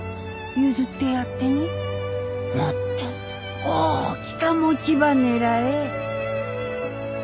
譲ってやってねもっと大きか餅ば狙え。